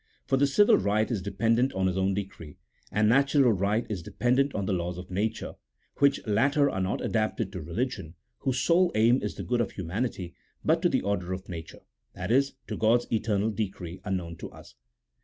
For the civil right is dependent on his own decree ; and natural right is depen dent on the laws of nature, which latter are not adapted to religion, whose sole aim is the good of humanity, but to the order of nature — that is, to God's eternal decree unknown to us.